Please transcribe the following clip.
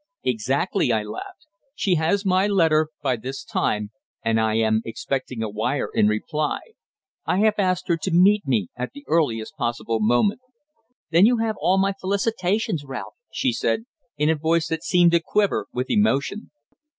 "Exactly," I laughed. "She has my letter by this time, and I am expecting a wire in reply. I have asked her to meet me at the earliest possible moment." "Then you have all my felicitations, Ralph," she said, in a voice that seemed to quiver with emotion.